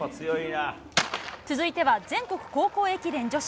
続いては全国高校駅伝女子。